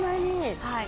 はい。